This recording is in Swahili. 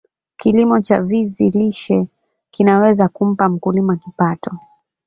kilimo cha vizi lishe kinaweza kumpa mkulima kipato